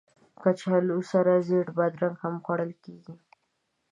کچالو سره زېړه بادرنګ هم خوړل کېږي